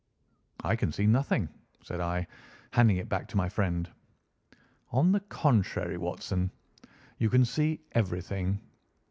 "I can see nothing," said I, handing it back to my friend. "On the contrary, Watson, you can see everything.